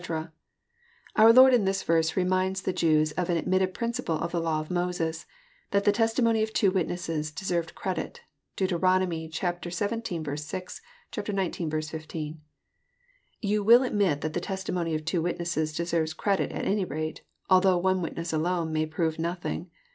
"} Onr Lord, in this verse, reminds cue Jews of an admitted principle of ttie law of Moses, — that the testimony of two witnesses deserved credit. (Dent. xvii. 6; xix. 15.) ''You will admit that the testimony of two witnesses deserves credit at any rate, although one witness alone may prove nothing.